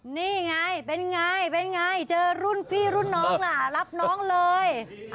นี่ไงเป็นไงเป็นไงเจอรุ่นพี่รุ่นน้องล่ะรับน้องเลย